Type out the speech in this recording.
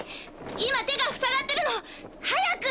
今手がふさがってるの！早く！